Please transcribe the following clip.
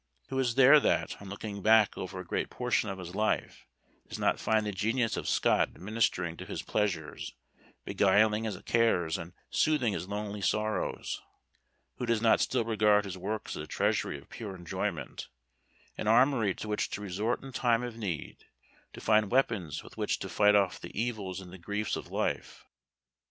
Who is there that, on looking back over a great portion of his life, does not find the genius of Scott administering to his pleasures, beguiling his cares, and soothing his lonely sorrows? Who does not still regard his works as a treasury of pure enjoyment, an armory to which to resort in time of need, to find weapons with which to fight off the evils and the griefs of life?